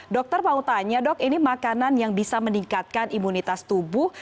dokter mau tanya dok ini makanan yang bisa meningkatkan imunitas tubuh